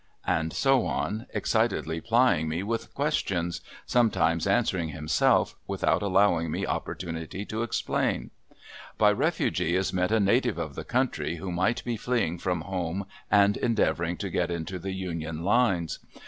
And so on, excitedly plying me with questions sometimes answering himself, without allowing me opportunity to explain. By refugee is meant a native of the country who might be fleeing from home and endeavoring to get into the Union lines.